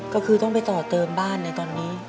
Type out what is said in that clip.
ก็คือต้องไปต่อเติมบ้านในตอนนี้